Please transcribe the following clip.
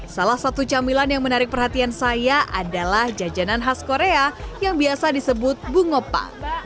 salah satu camilan yang menarik perhatian saya adalah jajanan khas korea yang biasa disebut bungopa